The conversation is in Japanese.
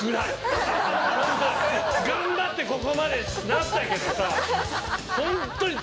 頑張ってここまでなったけどさホントに。